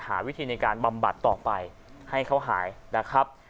หาวิธีในการบำบัดต่อไปให้เขาหายนะครับ